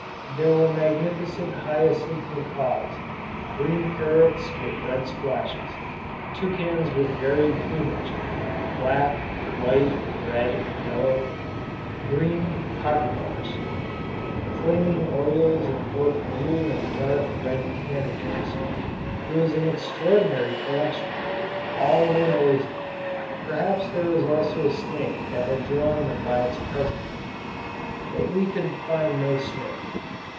There were magnificent hyacinth macaws; green parrots with red splashes; toucans with varied plumage, black, white, red, yellow; green jacmars; flaming orioles and both blue and dark red tanagers. It was an extraordinary collection. All were noisy. Perhaps there was a snake that had drawn them by its presence; but we could find no snake.